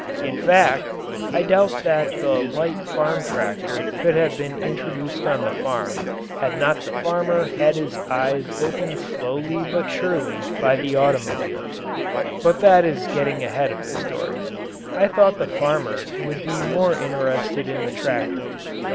In fact, I doubt that the light farm tractor could have been introduced on the farm had not the farmer had his eyes opened slowly but surely by the automobile. But that is getting ahead of the story. I thought the farmer would be more interested in the tractor.